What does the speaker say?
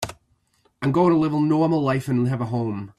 I'm going to live a normal life and have a home.